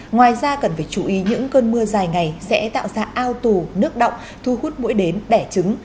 ngoài ra cần phải chú ý những cơn mưa dài ngày sẽ tạo ra ao tù nước động thu hút mũi đến đẻ trứng